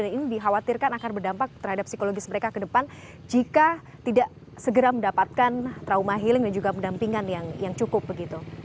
dan ini dikhawatirkan akan berdampak terhadap psikologis mereka ke depan jika tidak segera mendapatkan trauma healing dan juga pendampingan yang cukup begitu